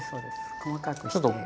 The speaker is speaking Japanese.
細かくして。